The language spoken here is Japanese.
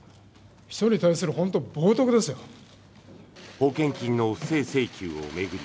保険金の不正請求を巡り